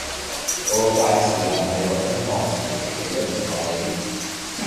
個介紹人係我中學時期嘅一條茂利